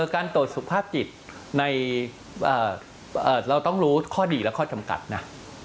การตรวจสุขภาพจิตเราต้องรู้ข้อดีและข้อจำกัดนะ